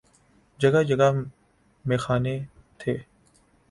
جگہ جگہ میخانے تھے۔